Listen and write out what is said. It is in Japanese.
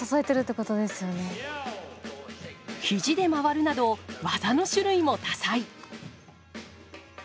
肘で回るなど技の種類も多彩。